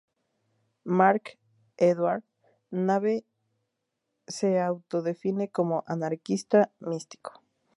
Marc-Édouard Nabe se autodefine como "anarquista místico".